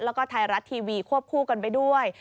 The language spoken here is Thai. แล้วก็ไทยรัฐทีวีควบคู่กันไปด้วย